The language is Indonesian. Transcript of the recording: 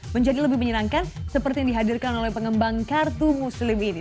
menjadi lebih menyenangkan seperti yang dihadirkan oleh pengembang kartu muslim ini